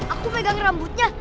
aku pegang rambutnya